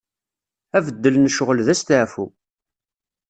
Abeddel n ccɣel d astaɛfu.